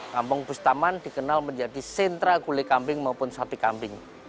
kampung bustaman dikenal menjadi sentra gulai kambing maupun sapi kambing